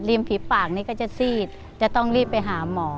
ฝีปากนี่ก็จะซีดจะต้องรีบไปหาหมอ